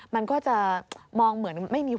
มันก็จะมองเหมือนไม่มี